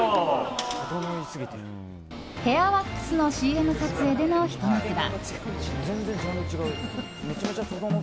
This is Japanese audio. ヘアワックスのＣＭ撮影でのひと幕だ。